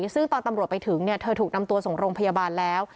ซึ่งตอนตำรวจไปถึงเธอถูกนำตัวส่งโรงพยาบาลแล้ว